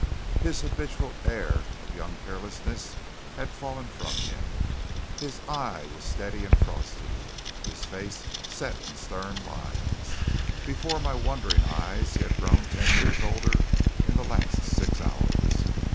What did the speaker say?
His habitual air of young carelessness had fallen from him; his eye was steady and frosty, his face set in stern lines. Before my wondering eyes he had grown ten years older in the last six hours.